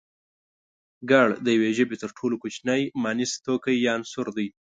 گړ د يوې ژبې تر ټولو کوچنی مانيز توکی يا عنصر دی